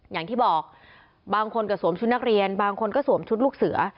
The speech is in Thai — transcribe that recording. อย่างที่บอกบางคนก็สวมชุดนักเรียนบางคนก็สวมชุดลูกเสือ